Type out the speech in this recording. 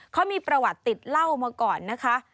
เขามีประวัติติดเหล้ามาก่อนนะคะ